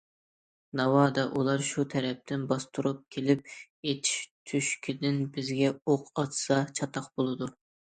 ناۋادا ئۇلار شۇ تەرەپتىن باستۇرۇپ كېلىپ ئېتىش تۆشۈكىدىن بىزگە ئوق ئاتسا چاتاق بولىدۇ.